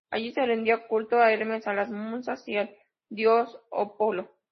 Allí se rendía culto a Hermes, a las musas y al dios Apolo.